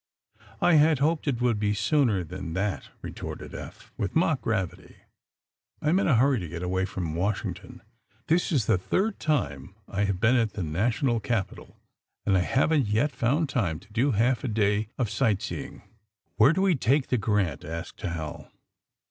'' ^^I had hoped it would be sooner than that,^' retorted Eph, with mock gravity. ^^I am in a hurry to get away from Washington! This ia the third time I have been at the National Capi tal, and I haven't yet found time to do half a day of sight seeing." *^ Where do we take the ^ Grant"?" asked Hal.